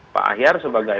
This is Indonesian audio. pak ahyar sebagai